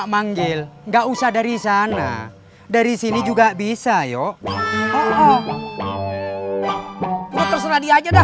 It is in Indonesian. manggil nggak usah dari sana dari sini juga bisa yuk terserah dia aja dah